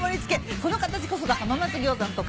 この形こそが浜松餃子の特徴。